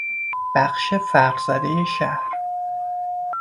بخش فقر زدهی شهر